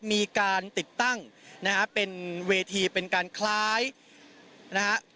มีการติดตั้งนะฮะเป็นเวทีเป็นการคล้ายนะฮะ